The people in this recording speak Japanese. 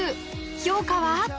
評価は？